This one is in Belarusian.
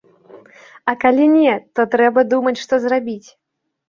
А калі не, то трэба думаць, што зрабіць.